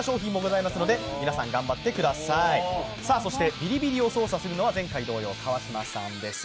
ビリビリを操作するのは前回同様、川島さんです。